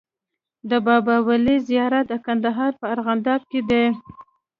د بابا ولي زيارت د کندهار په ارغنداب کی دی